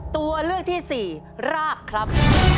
ตัวเลือกที่สี่รากครับ